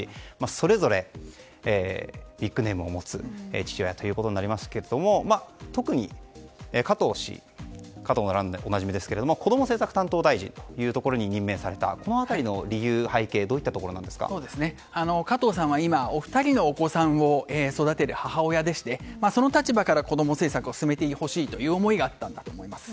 それぞれビッグネームを持つ父親となりますけれども特に加藤氏加藤の乱でおなじみですけれどもこども政策担当大臣に任命されたこの辺りの理由、背景は加藤さんは今お二人のお子さんを育てる母親でしてその立場から、こども政策を進めてほしいという思いがあったんだと思います。